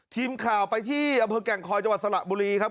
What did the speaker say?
ทีมข่าวไปที่อำเภอแก่งคอยจังหวัดสระบุรีครับ